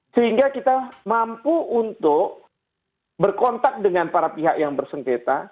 sehingga kita mampu untuk berkontak dengan para pihak yang bersengketa